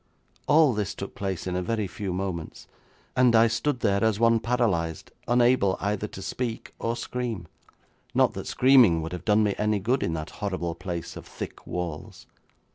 All this took place in a very few moments, and I stood there as one paralysed, unable either to speak or scream, not that screaming would have done me any good in that horrible place of thick walls.